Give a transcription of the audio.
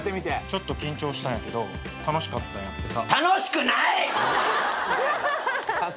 ちょっと緊張したんやけど楽しかったんやってさ。